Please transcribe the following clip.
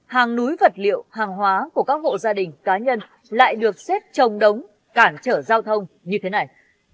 hàng núi vật liệu hàng hóa của các hộ gia đình cá nhân lại được xếp trồng đống cản trở giao thông như thế này